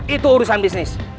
itu urusan bisnis